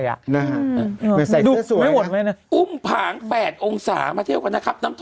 เหมือนใส่เสื้อสวยครับอุ้มผาง๘องศามาเที่ยวกันนะครับ